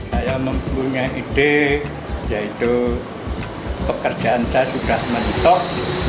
saya mempunyai ide yaitu pekerjaan saya sudah mentok